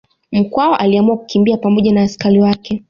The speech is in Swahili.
Mkwawa aliamua kukimbia pamoja na askari wake